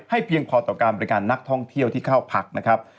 เพียงพอต่อการบริการนักท่องเที่ยวที่เข้าพักนะครับ